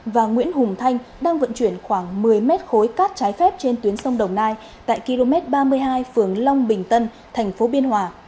và nguyễn hùng thanh đang vận chuyển khoảng một mươi mét khối cát trái phép trên tuyến sông đồng nai tại km ba mươi hai phường long bình tân thành phố biên hòa